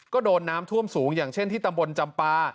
ก็โดนน้ำท่วมสูงอย่างเช่นที่ตำบลจำปา